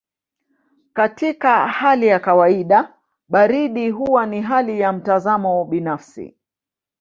Katika hali ya kawaida baridi huwa ni hali ya mtazamo binafsi.